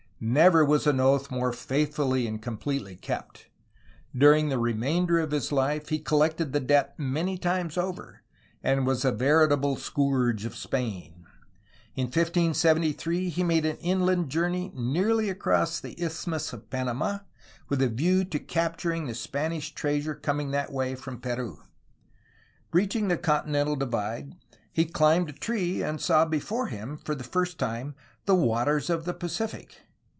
Never was an oath more faithfully and completely kept. During the remainder of his fife he collected the debt many times over, and was a veritable scourge of Spain. In 1573 he made an inland journey nearly across the Isthmus of Panama, with a view to captm ing the Spanish treasure coming that way from Peru. Reaching the continental divide he cHmbed a tree and saw before him, for the first time, the waters of the Pacific.